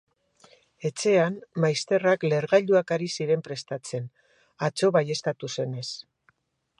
Etxean, maizterrak lehergailuak ari ziren prestatzen, atzo baieztatu zenez.